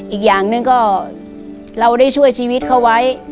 อีกอย่างหนึ่งก็เราได้ช่วยชีวิตเขาไว้